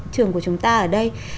trường của chúng ta ở đây